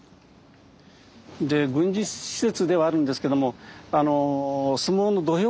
で軍事施設ではあるんですけども土俵？